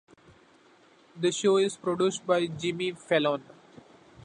The show is produced by Jimmy Fallon.